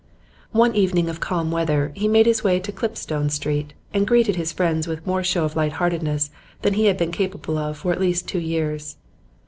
One evening of calm weather he made his way to Clipstone Street and greeted his friend with more show of light heartedness than he had been capable of for at least two years.